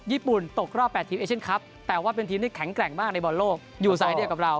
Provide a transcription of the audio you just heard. ญี่ปุ่นตกรอบ๘ทีมเอเชียนคลับแต่ว่าเป็นทีมที่แข็งแกร่งมากในบอลโลกอยู่สายเดียวกับเรา